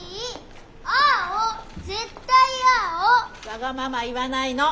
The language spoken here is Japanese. わがまま言わないの！